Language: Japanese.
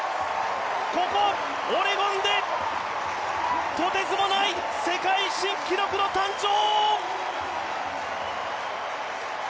ここ、オレゴンでとてつもない世界新記録の誕生。